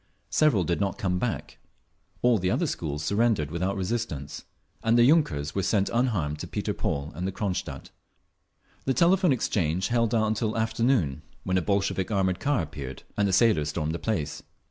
Several did not come back…. All the other schools surrendered without resistance, and the yunkers were sent unharmed to Peter Paul and Cronstadt…. The Telephone Exchange held out until afternoon, when a Bolshevik armoured car appeared, and the sailors stormed the place.